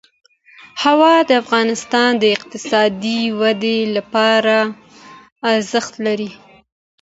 هوا د افغانستان د اقتصادي ودې لپاره ارزښت لري.